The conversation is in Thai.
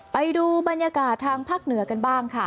ไปดูบรรยากาศทางภาคเหนือกันบ้างค่ะ